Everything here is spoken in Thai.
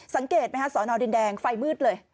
สังเกตไหมฮะสอนอดินแดงไฟมืดเลย